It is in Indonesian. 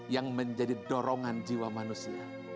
yang menjadi dorongan jiwa manusia